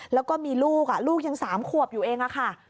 แล้วก็มีลูกลูกยัง๓ขวบอยู่เองค่ะ